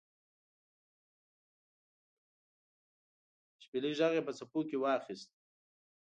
د شپیلۍ ږغ یې په څپو کې واخیست